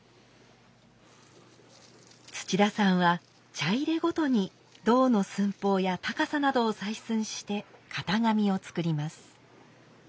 土田さんは茶入ごとに胴の寸法や高さなどを採寸して型紙を作ります。